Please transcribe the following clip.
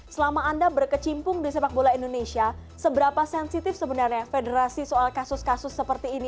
selama anda berkecimpung di sepak bola indonesia seberapa sensitif sebenarnya federasi soal kasus kasus seperti ini